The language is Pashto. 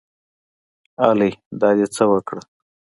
الۍ دا دې څه وکړه